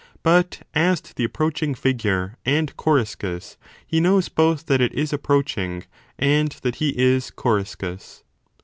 But as to the approach ing figure and Coriscus he knows both that it is approaching and that he is Coriscus.